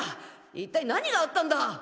一体何があったんだ！？